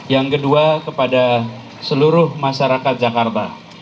yang kedua kepada seluruh masyarakat jakarta